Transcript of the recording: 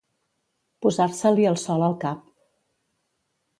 Posar-se-li el sol al cap.